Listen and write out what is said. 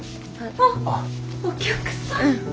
あっお客さん？